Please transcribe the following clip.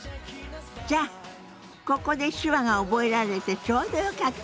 じゃあここで手話が覚えられてちょうどよかったわね。